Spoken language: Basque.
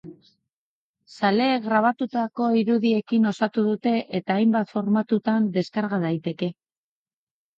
Zaleek grabatutako irudiekin osatu dute eta hainbat formatutan deskarga daiteke.